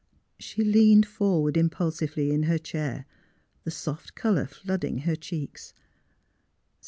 She leaned forward impulsively in her chair, the soft colour flooding her cheeks.